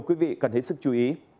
quý vị cần hết sức chú ý